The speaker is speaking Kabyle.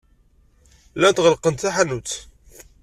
Llant ɣellqent taḥanut.